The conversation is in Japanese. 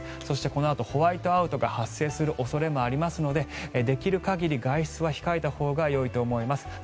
そしてこのあとホワイトアウトが発生する恐れがありますのでできる限り外出は控えたほうがいいと思います。